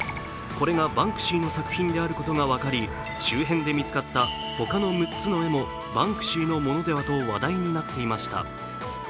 これがバンクシーの作品であることが分かり、周辺で見つかった他の６つの絵もバンクシーのものではと話題になっていました。